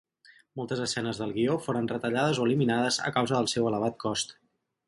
Moltes escenes del guió foren retallades o eliminades a causa del seu elevat cost.